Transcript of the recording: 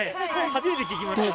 初めて聞きました。